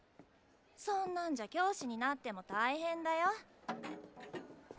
そんなんじゃ教師になっても大変だよ？